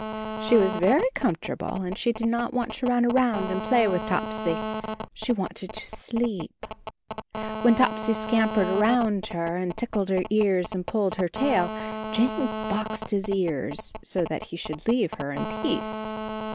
She was very com fortable, and she did not want to run around and play with Topsy; she wanted to sleep. When Topsy scampered around her and tickled her ears and pulled her tail, Jane boxed his ears, so that he should leave her in peace.